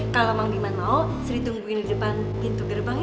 kalo mang diman mau seri tungguin di depan pintu gerbang ya